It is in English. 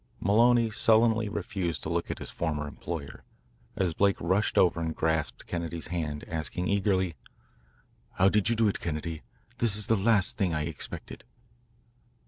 Maloney sullenly refused to look at his former employer, as Blake rushed over and grasped Kennedy's hand, asking eagerly: "How did you do it, Kennedy? This is the last thing I expected."